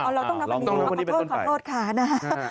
อ้าวเราต้องนับวันนี้ขอโทษขอโทษค่ะนะ